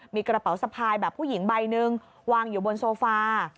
มีกระเป๋าสะพายแบบผู้หญิงใบหนึ่งวางอยู่บนโซฟา